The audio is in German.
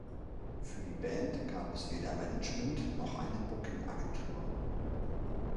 Für die Band gab es weder Management noch eine Booking-Agentur.